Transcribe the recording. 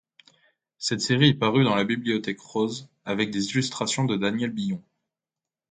Cette série est parue dans la Bibliothèque rose, avec des illustrations de Daniel Billon.